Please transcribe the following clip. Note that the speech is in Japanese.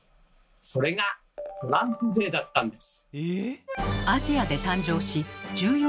それが「トランプ税」だったんです。